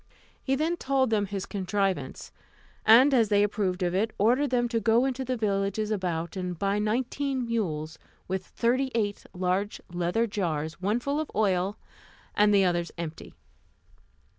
He then told them his contrivance; and as they approved of it, ordered them to go into the villages about, and buy nineteen mules, with thirty eight large leather jars, one full of oil, and the others empty.